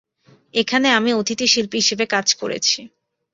এখানে আমি অতিথি শিল্পী হিসেবে কাজ করেছি।